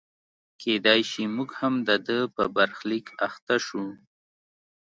کېدای شي موږ هم د ده په برخلیک اخته شو.